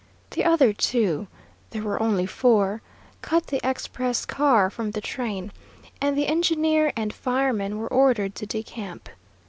The other two there were only four cut the express car from the train, and the engineer and fireman were ordered to decamp.